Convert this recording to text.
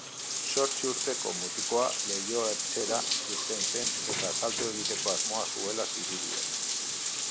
Zortzi urteko mutikoa leiho-ertzera irten zen eta salto egiteko asmoa zuela zirudien.